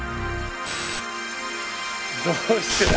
どうしてだ？